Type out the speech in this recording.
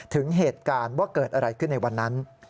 ถึงเหตุการณ์ว่าเกิดอะไรขึ้นในวันนั้น